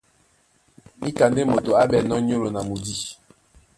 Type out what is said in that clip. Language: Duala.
Níka ndé moto á ɓɛ̂nnɔ́ nyólo na mudî.